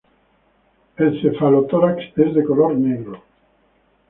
El cefalotórax es de color negro.